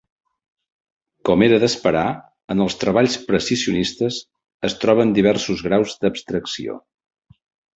Com era d'esperar, en els treballs precisionistes es troben diversos graus d'abstracció.